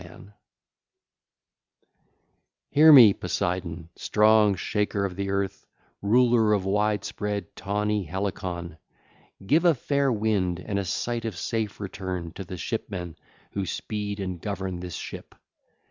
(8 lines) (ll. 1 8) Hear me, Poseidon, strong shaker of the earth, ruler of wide spread, tawny Helicon! Give a fair wind and sight of safe return to the shipmen who speed and govern this ship.